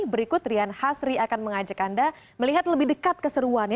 berikut rian hasri akan mengajak anda melihat lebih dekat keseruannya